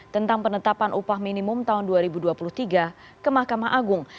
tentang penetapan upah minimum tahun dua ribu dua puluh tiga ke mahkamah agung